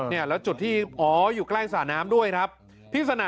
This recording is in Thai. พี่มีอาการป่วยไข้นะ